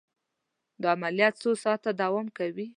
دا عملیه څو ساعته دوام کوي.